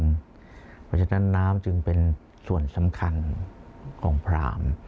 เพราะฉะนั้นน้ำจึงเป็นส่วนสำคัญของพราม